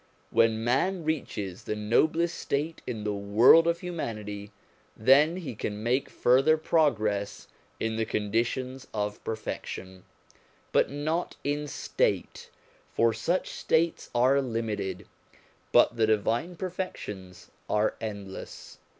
When man reaches the noblest state in the world of humanity, then he can make further progress in the conditions of perfection, but not in state; for such states are limited, but the divine perfections are endless.